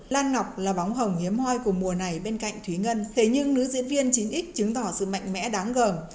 lan ngọc là bóng hồng hiếm hoi của mùa này bên cạnh thúy ngân thế nhưng nữ diễn viên chính x chứng tỏ sự mạnh mẽ đáng gờm